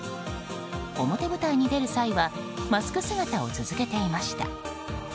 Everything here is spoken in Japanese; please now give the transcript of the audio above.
表舞台に出る際はマスク姿を続けていました。